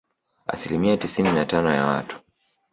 Asilimia tisini na tano ya watu